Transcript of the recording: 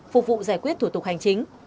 phục vụ giải quyết thủ tục hành chính